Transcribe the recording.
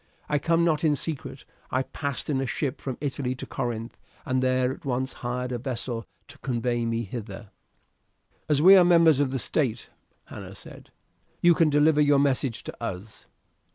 I come not in secret. I passed in a ship from Italy to Corinth, and there at once hired a vessel to convey me hither." "As we are members of the senate," Hanno said, "you can deliver your message to us."